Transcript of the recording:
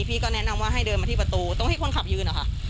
พี่ก็แนะนำว่าให้เดินมาที่ประตูตรงที่คนขับยืนอะค่ะ